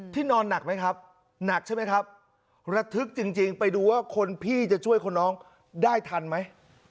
ที่นอนหนักมั้ยครับหนักใช่มั้ยครับระทึกจริงจริงไปดูว่าคนพี่จะช่วยคนน้องได้ทันมั้ย